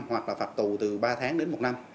hoặc là phạt tù từ ba tháng đến một năm